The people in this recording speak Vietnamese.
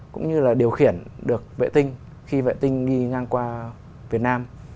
cũng như là điều khiển được vệ tinh khi vệ tinh nghi ngang qua việt nam